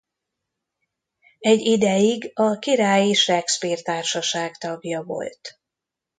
Egy ideig a Királyi Shakespeare Társaság tagja volt.